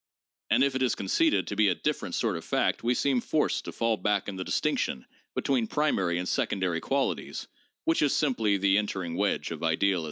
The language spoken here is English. And if it is conceded to be a different sort of fact, we seem forced to fall back on the distinction between primary and secondary qualities, which is simply the entering wedge of idealism.